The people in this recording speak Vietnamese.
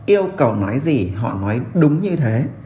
yêu cầu nói gì họ nói đúng như thế